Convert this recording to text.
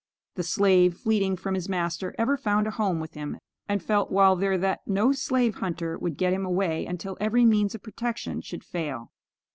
The slave, fleeting from his master, ever found a home with him, and felt while there that no slave hunter would get him away until every means of protection should fail.